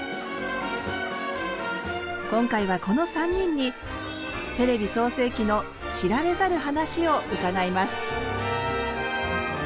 今回はこの３人にテレビ創成期の知られざる話を伺います。